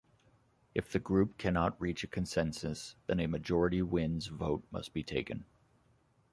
If the group cannot reach a consensus then a majority-wins vote must be taken.